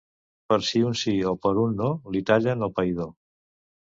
Per si un sí o per un no li tallen el païdor.